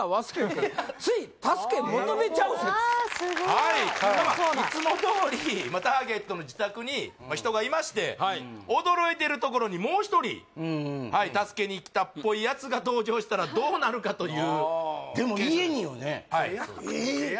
はいいつもどおりターゲットの自宅に人がいまして驚いてるところにもう一人助けにきたっぽいやつが登場したらどうなるかというでも家によね？